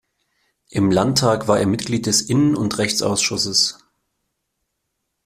Im Landtag war er Mitglied des Innen- und Rechtsausschusses.